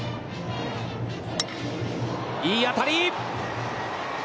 いい当たり！